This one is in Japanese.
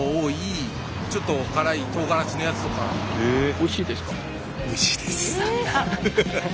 おいしいです。